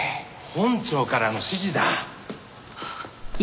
本庁からの指示だ。